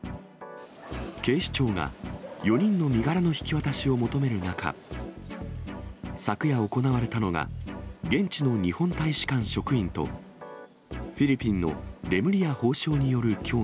警視庁が４人の身柄の引き渡しを求める中、昨夜行われたのが、現地の日本大使館職員と、フィリピンのレムリヤ法相による協議。